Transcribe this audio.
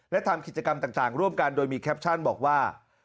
และทำกิจกรรมต่างร่วมกันโดยมีแคปชั่นบอกว่า